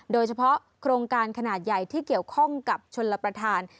โดยเฉพาะโครงการขนาดใหญ่ที่เกี่ยวข้องกับชนรับประทาน